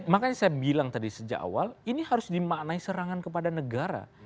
makanya saya bilang tadi sejak awal ini harus dimaknai serangan kepada negara